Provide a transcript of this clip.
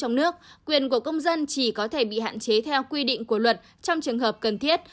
trong nước quyền của công dân chỉ có thể bị hạn chế theo quy định của luật trong trường hợp cần thiết